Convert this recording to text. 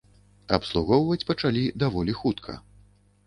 Абслугоўваць пачалі даволі хутка.